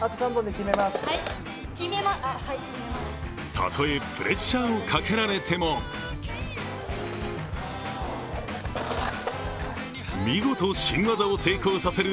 たとえプレッシャーをかけられても見事、新技を成功させる